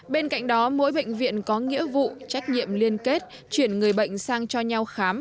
bên cạnh đó mỗi bệnh viện có nghĩa vụ trách nhiệm liên kết chuyển người bệnh sang cho nhau khám